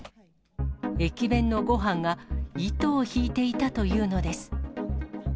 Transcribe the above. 駅弁のごはんが、糸を引いていたというのです。